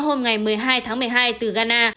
hôm ngày một mươi hai tháng một mươi hai từ ghana